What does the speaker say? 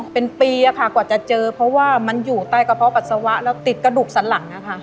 เป็นปีค่ะกว่าจะเจอเพราะว่ามันอยู่ใต้กระเพาะปัสสาวะแล้วติดกระดูกสันหลัง